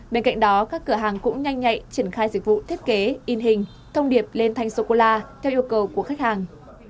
bên cạnh đó các cửa hàng cũng nhanh nhạy triển khai dịch vụ thiết kế in hình thông điệp lên thanh sô cô la theo yêu cầu của khách hàng